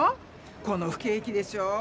このふけい気でしょう？